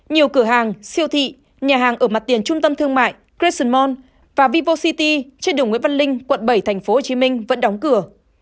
nhiều cửa hàng siêu thị nhà hàng ở mặt tiền trung tâm thương mại cressonmond và vivo city trên đường nguyễn văn linh quận bảy tp hcm vẫn đóng cửa